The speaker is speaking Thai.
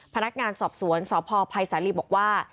พนักงานสอบสวนสพภัยสาลีบอกว่า